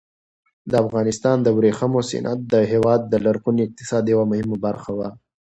د افغانستان د ورېښمو صنعت د هېواد د لرغوني اقتصاد یوه مهمه برخه وه.